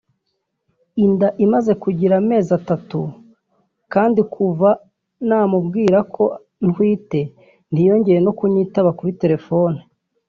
Inda imaze kugira amezi atatu kandi kuva namubwira ko ntwite ntiyongeye no kunyitaba kuri telefone